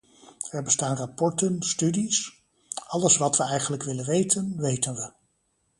Er bestaan rapporten, studies - alles wat we eigenlijk willen weten, weten we.